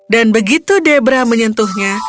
dan begitu debra menyentuhnya